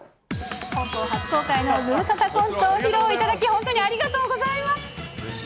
本邦初公開のズムサタコントを披露いただき、本当にありがとうございます。